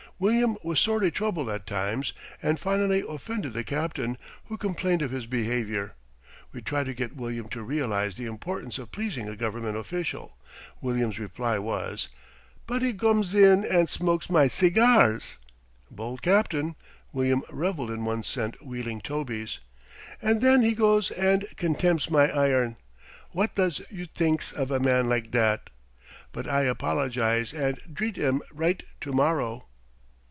William was sorely troubled at times and finally offended the Captain, who complained of his behavior. We tried to get William to realize the importance of pleasing a government official. William's reply was: "But he gomes in and smokes my cigars" (bold Captain! William reveled in one cent Wheeling tobies) "and then he goes and contems my iron. What does you tinks of a man like dat? But I apologize and dreat him right to morrow."